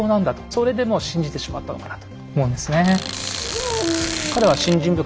それでもう信じてしまったのかなと思うんですね。